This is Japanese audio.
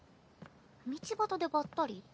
道端でばったり？